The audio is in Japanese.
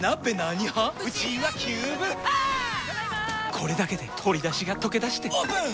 これだけで鶏だしがとけだしてオープン！